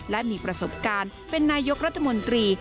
และมีประสบการณ์เป็นนายกรัฐมนตรี